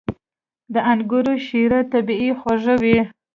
• د انګورو شیره طبیعي خوږه وي.